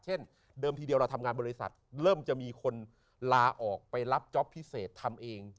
เช่นเดิมทีเดียวเราทำงานบริษัทเริ่มจะมีคนลาออกไปรับจ๊อปพิเศษทำเอง